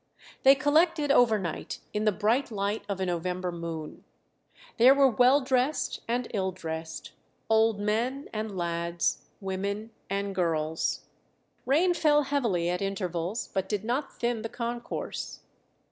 They collected over night in the bright light of a November moon. "There were well dressed and ill dressed, old men and lads, women and girls." Rain fell heavily at intervals, but did not thin the concourse.